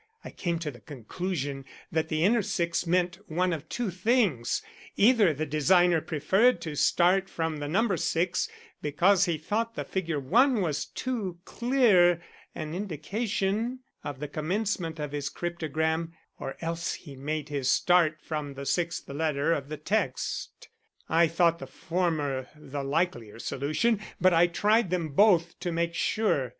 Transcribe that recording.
I came to the conclusion that the inner 6 meant one of two things: either the designer preferred to start from the number 6 because he thought the figure 1 was too clear an indication of the commencement of his cryptogram, or else he made his start from the sixth letter of the text. I thought the former the likelier solution, but I tried them both, to make sure.